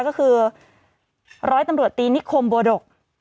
ก็คือร้อยตำรวจตีนิคมบัวดก